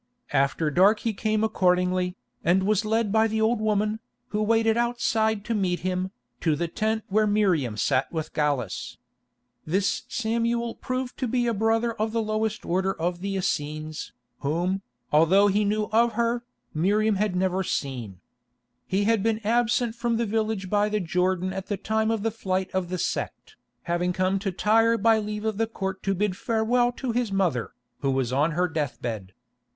After dark he came accordingly, and was led by the old woman, who waited outside to meet him, to the tent where Miriam sat with Gallus. This Samuel proved to be a brother of the lowest order of the Essenes, whom, although he knew of her, Miriam had never seen. He had been absent from the village by the Jordan at the time of the flight of the sect, having come to Tyre by leave of the Court to bid farewell to his mother, who was on her deathbed.